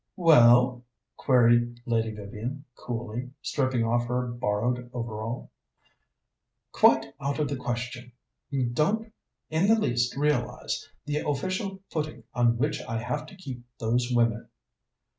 "Well?" queried Lady Vivian coolly, stripping off her borrowed overall. "Quite out of the question. You don't in the least realize the official footing on which I have to keep those women."